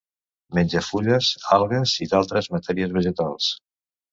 Menja fulles, algues i d'altres matèries vegetals.